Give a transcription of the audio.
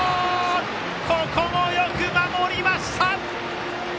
ここもよく守りました！